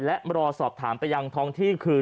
และรอสอบถามไปยังท้องที่คือ